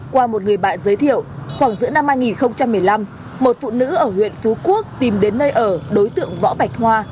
qua một người bạn giới thiệu khoảng giữa năm hai nghìn một mươi năm một phụ nữ ở huyện phú quốc tìm đến nơi ở đối tượng võ bạch hoa